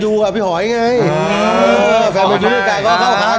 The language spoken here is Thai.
พี่หอยแฟนไปดูกับพี่หอยไง